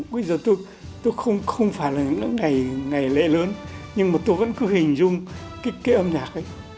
bây giờ tôi không phải là những ngày ngày lễ lớn nhưng mà tôi vẫn cứ hình dung kích cái âm nhạc ấy